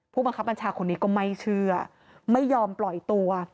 บังคับบัญชาคนนี้ก็ไม่เชื่อไม่ยอมปล่อยตัว